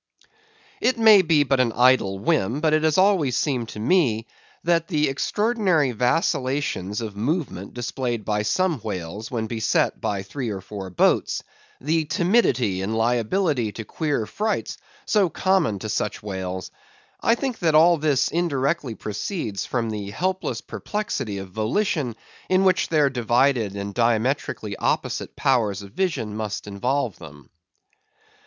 It may be but an idle whim, but it has always seemed to me, that the extraordinary vacillations of movement displayed by some whales when beset by three or four boats; the timidity and liability to queer frights, so common to such whales; I think that all this indirectly proceeds from the helpless perplexity of volition, in which their divided and diametrically opposite powers of vision must involve them.